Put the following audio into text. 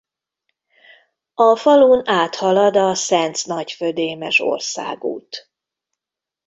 A falun áthalad a Szenc-Nagyfödémes országút.